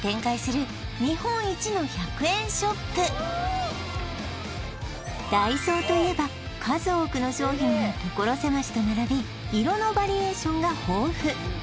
え現在ＤＡＩＳＯといえば数多くの商品がところ狭しと並び色のバリエーションが豊富